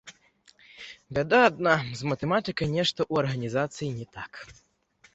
Бяда адна, з матэматыкай нешта ў арганізацыі не так.